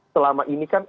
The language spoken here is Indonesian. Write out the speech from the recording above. selama ini kan